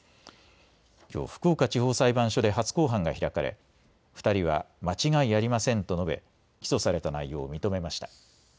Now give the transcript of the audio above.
きょう福岡地方裁判所で初公判が開かれ２人は間違いありませんと述べ起訴された内容を認めました。